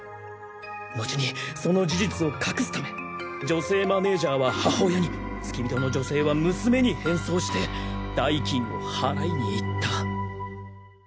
のちにその事実を隠すため女性マネージャーは母親に付き人の女性は娘に変装して代金を払いに行った。